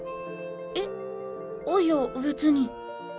えっあいや別に。